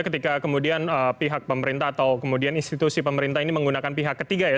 ketika kemudian pihak pemerintah atau kemudian institusi pemerintah ini menggunakan pihak ketiga ya